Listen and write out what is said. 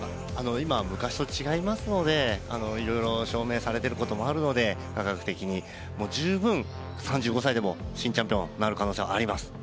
今は昔と違いますので、いろいろ科学的に証明されていることもあるので十分、３５歳でも新チャンピオンになる可能性はあります。